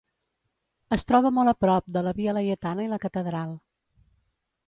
Es troba molt a prop de la Via Laietana i la Catedral.